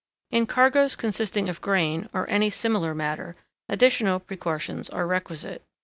In cargoes consisting of grain, or any similar matter, additional precautions are requisite.